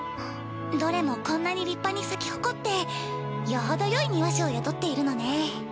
どれもこんなに立派に咲き誇ってよほどよい庭師を雇っているのね。